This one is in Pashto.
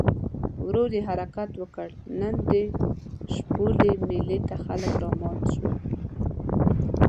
ورو یې حرکت وکړ، نن د شپولې مېلې ته خلک رامات شول.